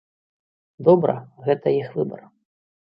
Добра, гэта іх выбар.